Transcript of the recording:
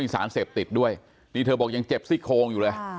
สารเสพติดด้วยนี่เธอบอกยังเจ็บซี่โครงอยู่เลย